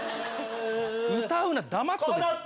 歌うな黙っとけ。